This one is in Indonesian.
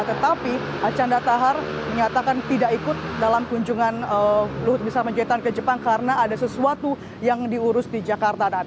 tetapi acan ratahar mengatakan tidak ikut dalam kunjungan lut bisa maju ke jepang karena ada sesuatu yang diurus di jakarta